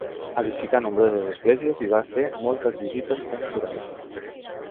Edificà nombroses esglésies i va fer moltes visites pastorals.